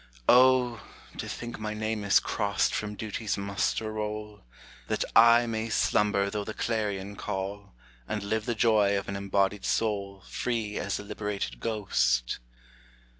O, to think my name is crost From duty's muster roll; That I may slumber though the clarion call, And live the joy of an embodied soul Free as a liberated ghost.